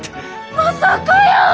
まさかやー！